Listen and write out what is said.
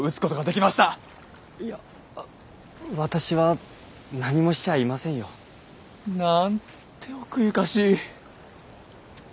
いや私は何もしちゃいませんよ。なんて奥ゆかしい！